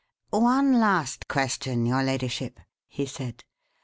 "One last question, your ladyship," he said.